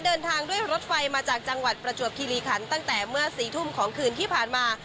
เดินทางด้วยรถไฟมาจากจังหวัดประจวบคิริขันตั้งแต่เมื่อ๔ทุ่มของคืนที่ผ่านมา